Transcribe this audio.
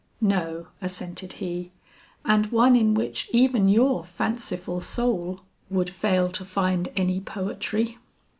"No," assented he; "and one in which even your fanciful soul would fail to find any poetry.